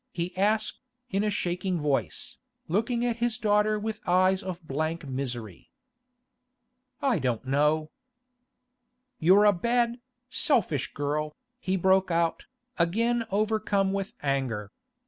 he asked, in a shaking voice, looking at his daughter with eyes of blank misery. 'I don't know.' 'You're a bad, selfish girl!' he broke out, again overcome with anger.